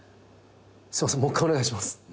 すいませんもっかいお願いします。